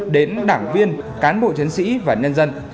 đến đảng viên cán bộ chiến sĩ và nhân dân